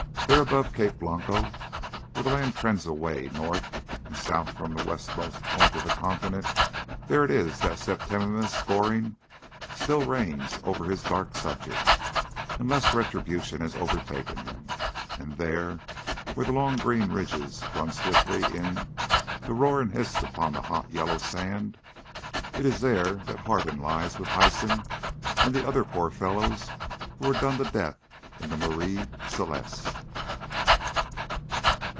There above Cape Blanco, where the land trends away north and south from the westernmost point of the continent, there it is that Septimius Goring still reigns over his dark subjects, unless retribution has overtaken him; and there, where the long green ridges run swiftly in to roar and hiss upon the hot yellow sand, it is there that Harton lies with Hyson and the other poor fellows who were done to death in the Marie Celeste.